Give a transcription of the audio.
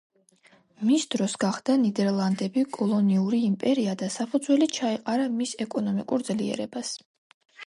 მის დროს გახდა ნიდერლანდები კოლონიური იმპერია და საფუძველი ჩაეყარა მის ეკონომიკურ ძლიერებას.